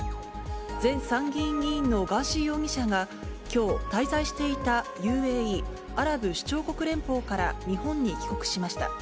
前参議院議員のガーシー容疑者が、きょう、滞在していたＵＡＥ・アラブ首長国連邦から日本に帰国しました。